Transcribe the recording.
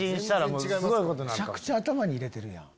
むちゃくちゃ頭に入れてるやん。